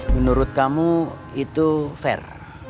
menurut kamu itu fair